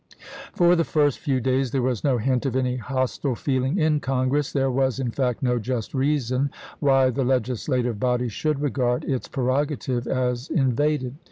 For the first few days there was no hint of any hostile feeling in Congress. There was, in fact, no just reason why the legislative body should regard its prerogative as invaded.